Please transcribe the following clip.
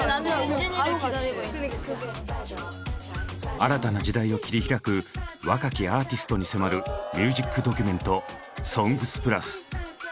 新たな時代を切り開く若きアーティストに迫るミュージックドキュメント「ＳＯＮＧＳ＋ＰＬＵＳ」。